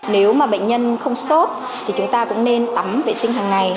nếu mà bệnh nhân không sốt thì chúng ta cũng nên tắm vệ sinh hàng ngày